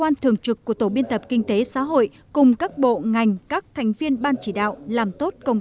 quan thường trực của tổ biên tập kinh tế xã hội cùng các bộ ngành các thành viên ban chỉ đạo làm tốt công